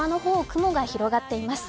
雲が広がっています。